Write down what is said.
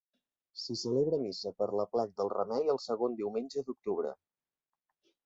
S'hi celebra missa per l'aplec del Remei, el segon diumenge d'octubre.